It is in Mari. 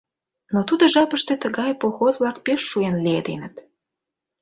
Но тудо жапыште тыгай поход-влак пеш шуэн лиеденыт.